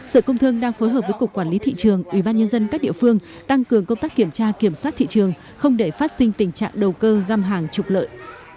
sở công thương đang phối hợp với cục quản lý thị trường ubnd các địa phương tăng cường công tác kiểm tra kiểm soát thị trường không để phát sinh tình trạng đầu cơ găm hàng trục lợi